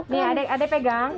nih adek adek pegang